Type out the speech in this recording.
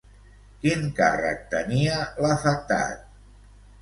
Quin càrrec tenia l'afectat?